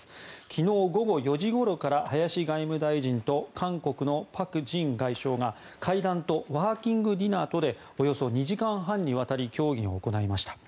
昨日午後４時ごろから林外務大臣と韓国のパク・ジン外相が会談とワーキングディナーとでおよそ２時間半にわたり協議を行いました。